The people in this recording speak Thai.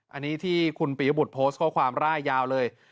อันนี้ที่คุณปียบุตรโพสต์ข้อความร่ายยาวเลย